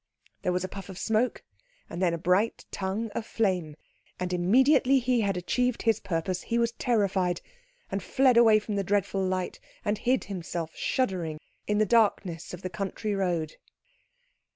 There was a puff of smoke, and then a bright tongue of flame; and immediately he had achieved his purpose he was terrified, and fled away from the dreadful light, and hid himself, shuddering, in the darkness of the country road.